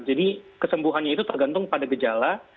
jadi kesembuhannya itu tergantung pada gejala